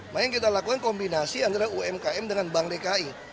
makanya yang kita lakukan kombinasi antara umkm dengan bank dki